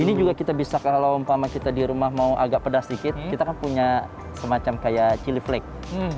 ini juga kita bisa kalau umpama kita di rumah mau agak pedas dikit kita kan punya semacam kayak cili flake